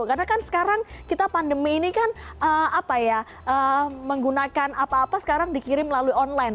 karena kan sekarang kita pandemi ini kan menggunakan apa apa sekarang dikirim melalui online